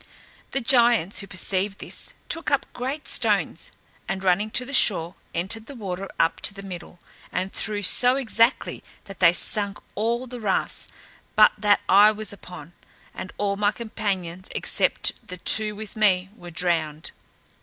The giants, who perceived this, took up great stones, and running to the shore, entered the water up to the middle, and threw so exactly, that they sunk all the rafts but that I was upon; and all my companions, except the two with me, were drowned.